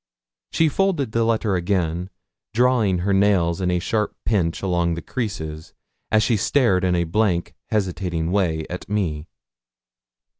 She folded the letter again, drawing her nails in a sharp pinch along the creases, as she stared in a blank, hesitating way at me.